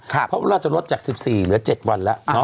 เพราะเราจะลดจาก๑๔เหลือ๗วันแล้ว